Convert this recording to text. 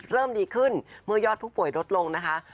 เริ่มดีขึ้นเมื่อยอดผู้ป่วยลดลงนะคะ